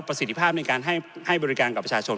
สิทธิภาพในการให้บริการกับประชาชน